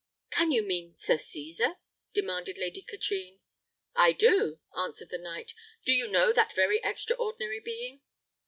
"Can you mean Sir Cesar?" demanded Lady Katrine. "I do," answered the knight. "Do you know that very extraordinary being?"